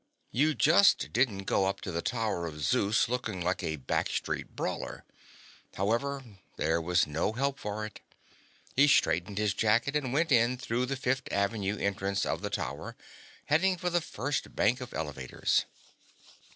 You just didn't go up to the Tower of Zeus looking like a back street brawler. However, there was no help for it. He straightened his jacket and went in through the Fifth Avenue entrance of the Tower, heading for the first bank of elevators.